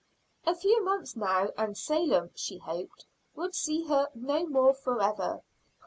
A few months now, and Salem, she hoped, would see her no more forever.